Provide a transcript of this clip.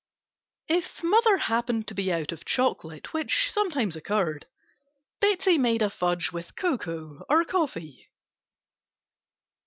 If mother happened to be out of chocolate, which sometimes occurred, Betsey made a fudge with cocoa or coffee.